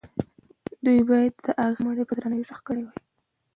دوی باید د هغې مړی په درناوي ښخ کړی وای.